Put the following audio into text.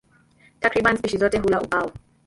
Takriban spishi zote hula ubao.